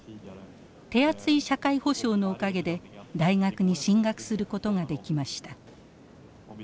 手厚い社会保障のおかげで大学に進学することができました。